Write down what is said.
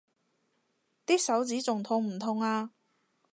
啲手指仲痛唔痛啊？